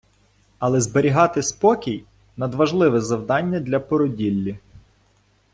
Але зберігати спокій – надважливе завдання для породіллі.